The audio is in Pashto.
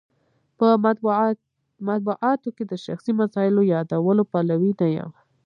په مطبوعاتو کې د شخصي مسایلو یادولو پلوی نه یم.